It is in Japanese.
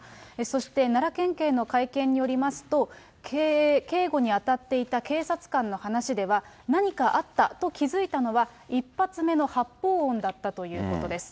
そして、奈良県警の会見によりますと、警護に当たっていた警察官の話では、何かあったと気付いたのは、１発目の発砲音だったということです。